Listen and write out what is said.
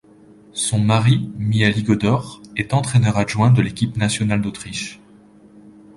Son mari, Mihály Gódor, est entraineur adjoint de l'équipe nationale d'Autriche.